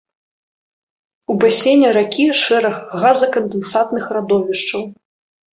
У басейне ракі шэраг газакандэнсатных радовішчаў.